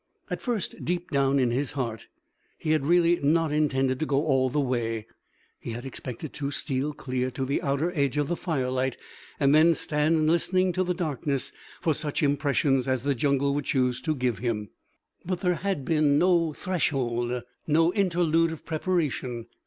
At first, deep down in his heart, he had really not intended to go all the way. He had expected to steal clear to the outer edge of the firelight; and then stand listening to the darkness for such impressions as the jungle would choose to give him. But there had been no threshold, no interlude of preparation.